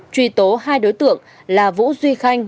truy tố hai đối tượng là vũ duy khanh